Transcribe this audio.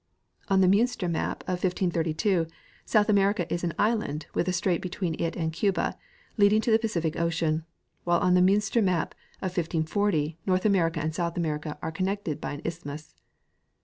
On the Miinster map of 1532 South America is an island with a strait between it and Cuba, leading into the Pacific ocean, while on the Miinster map of 1540 North America and South America are connected by an isthmus.